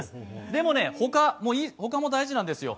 でもねほかも大事なんですよ。